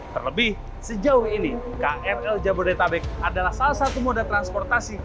terlebih sejauh ini krl jabodetabek adalah salah satu moda transportasi